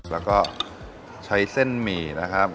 แล้วก็ใช้เส้นหมี่นะครับ